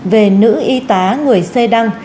về nữ y tá người xe đăng